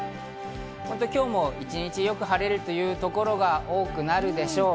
今日も一日よく晴れるというところが多くなるでしょう。